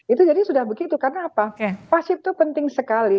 itu jadi sudah begitu karena apa pasif itu penting sekali